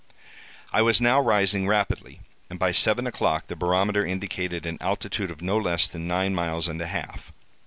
"I was now rising rapidly, and by seven o'clock the barometer indicated an altitude of no less than nine miles and a half.